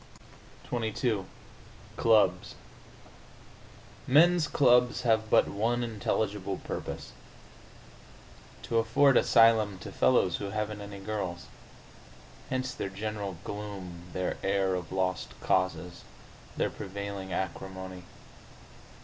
XXII CLUBS Men's clubs have but one intelligible purpose: to afford asylum to fellows who haven't any girls. Hence their general gloom, their air of lost causes, their prevailing acrimony.